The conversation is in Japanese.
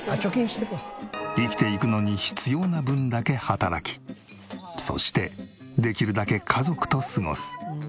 生きていくのに必要な分だけ働きそしてできるだけ家族と過ごす。